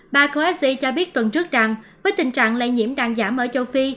bà coexi cho biết tuần trước rằng với tình trạng lây nhiễm đang giảm ở châu phi